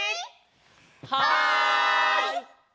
はい！